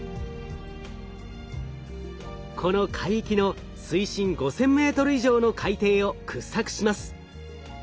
この海域の水深５，０００ｍ以上の海底を掘削します。